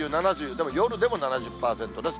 でも夜でも７０％です。